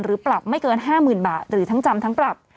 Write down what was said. ปรับไม่เกิน๕๐๐๐บาทหรือทั้งจำทั้งปรับ